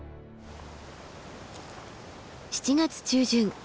７月中旬